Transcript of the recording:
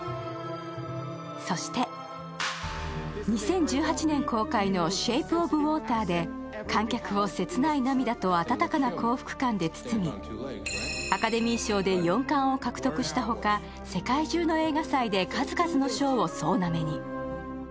そして２０１８年公開の「シェイプ・オブ・ウォーター」で観客を切ない涙と温かな幸福感で包み、アカデミー賞で４冠を獲得したほか世界中の映画祭で数々の賞を総なめに。